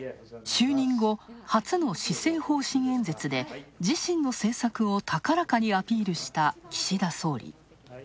就任後、初の施政方針演説で自身の政策を高らかにアピールした岸田総理。